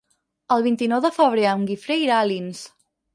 El vint-i-nou de febrer en Guifré irà a Alins.